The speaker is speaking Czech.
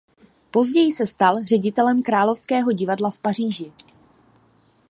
Později se stal ředitelem královského divadla v Paříži.